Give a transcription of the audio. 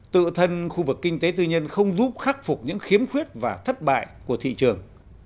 tự thân khu vực kinh tế tư nhân không giúp khắc phục những khiếm khuyết và thất bại của thị trường